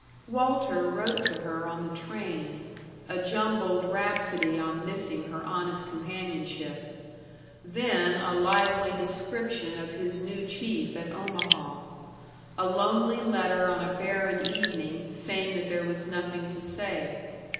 § 7 Walter wrote to her on the train a jumbled rhapsody on missing her honest companionship. Then a lively description of his new chief at Omaha. A lonely letter on a barren evening, saying that there was nothing to say.